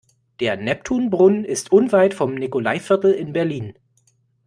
Der Neptunbrunnen ist unweit vom Nikolaiviertel in Berlin.